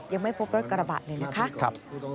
ยังไม่พบรถกระบะเลยนะคะ